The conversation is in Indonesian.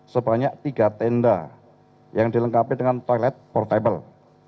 sebanyak tiga tenda yang dilengkapi dengan toilet portable